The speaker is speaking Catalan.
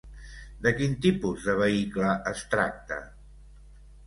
De quin tipus de vehicle es tracta?